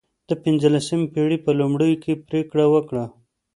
د پنځلسمې پېړۍ په لومړیو کې پرېکړه وکړه.